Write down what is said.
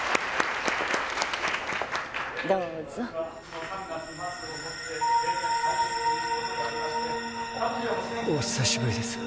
どうぞお久しぶりです